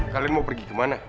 kalian mau pergi kemana